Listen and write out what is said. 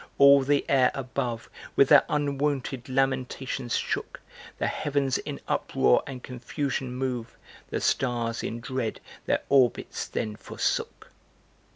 All the air above With their unwonted lamentations shook, The heavens in uproar and confusion move {The Stars, in dread, their orbits then forsook!